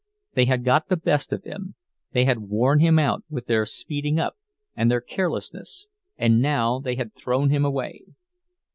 They had got the best of him—they had worn him out, with their speeding up and their carelessness, and now they had thrown him away!